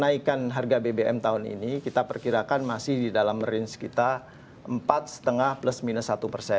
jadi kenaikan harga bbm tahun ini kita perkirakan masih di dalam range kita empat lima plus minus satu